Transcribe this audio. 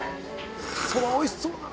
蕎麦おいしそうだな。